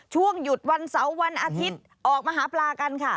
ช่วงหยุดวันเสาร์วันอาทิตย์ออกมาหาปลากันค่ะ